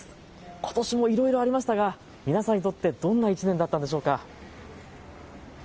ことしもいろいろありましたが皆さんにとってどんな１年だったんでしょうか。